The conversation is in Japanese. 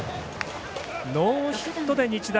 ノーヒットで日大